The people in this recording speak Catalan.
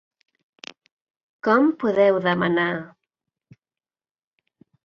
Com podeu demanar.?